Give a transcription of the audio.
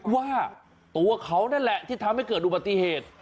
ว่าตัวเขานั่นแหละที่ทำให้เกิดอุบัติเหตุ